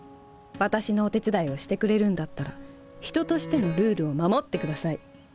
私のお手伝いをしてくれるんだったら人としてのルールを守ってください。